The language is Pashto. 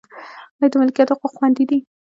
آیا د ملکیت حقوق خوندي دي؟